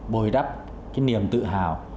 bồi đắp cái niềm tự hào